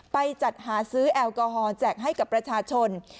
จัดหาซื้อแอลกอฮอลแจกให้กับประชาชน